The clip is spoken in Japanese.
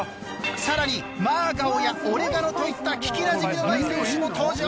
更にマーガオやオレガノといった聞きなじみのない選手も登場！